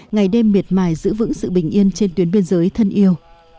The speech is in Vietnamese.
ngày đêm miệt mài giữ vững sự bình yên trên tuyến biên giới thân yêu